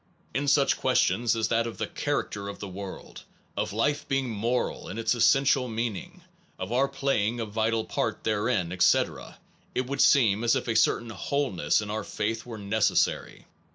In such questions as that of the char acter of the world, of life being moral in its essential meaning, of our playing a vital part therein, etc., it would seem as if a certain wholeness in our faith were necessary.